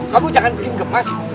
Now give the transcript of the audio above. kamu jangan bikin gemas